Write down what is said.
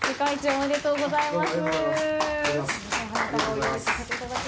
ありがとうございます。